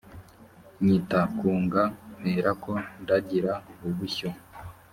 nyita kunga mperako ndagira ubushyo